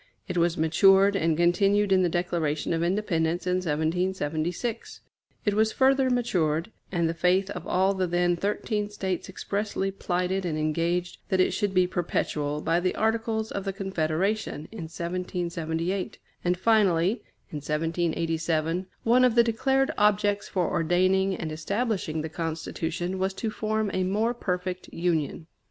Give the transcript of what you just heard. It was matured and continued in the Declaration of Independence in 1776. It was further matured, and the faith of all the then thirteen States expressly plighted and engaged that it should be perpetual, by the Articles of the Confederation, in 1778; and finally, in 1787, one of the declared objects for ordaining and establishing the Constitution was to form a more perfect Union.